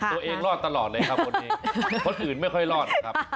ตัวเองรอดตลอดเลยครับคนอื่นไม่ค่อยรอด